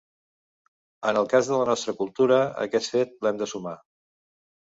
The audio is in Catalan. En el cas de la nostra cultura aquest fet l’hem de sumar.